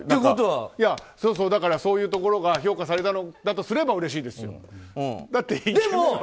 だからそういうところが評価されたんだとすればうれしいですよ。